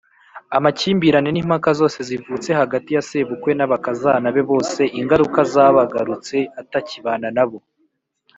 Amakimbirane n’impaka zose zivutse hagati ya Sebukwe n’abakazana be bose ingaruka zabagarutse atakibana nabo.